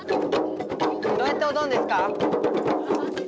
どうやっておどんですか？